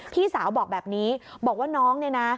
พี่สาวบอกแบบนี้บอกว่าน้องเนี่ยนะ